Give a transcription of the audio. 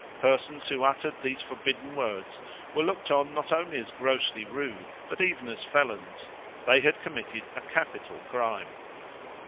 Persons who uttered these forbidden words were looked on not only as grossly rude, but even as felons; they had committed a capital crime.